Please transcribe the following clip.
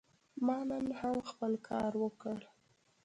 ما نن هم خپل کار وکړ.